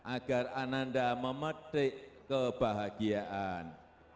agar ananda memetik kebahagiaan